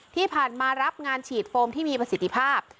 ที่ผ่านมารับงานฉีดโฟมที่มีประสิทธิภาพ